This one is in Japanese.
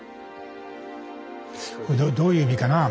これどういう意味かなあ。